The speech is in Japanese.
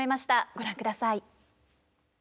ご覧ください。